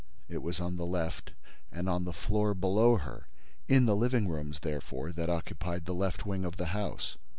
It was on the left and on the floor below her, in the living rooms, therefore, that occupied the left wing of the house.